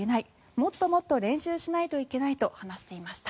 もっともっと練習しないといけないと話していました。